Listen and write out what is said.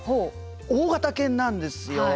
大型犬なんですよ。